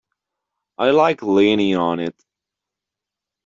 I like leaning on it.